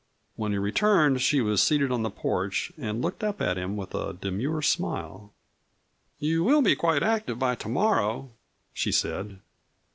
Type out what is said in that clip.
When he returned she was seated on the porch and looked up at him with a demure smile. "You will be quite active by to morrow," she said.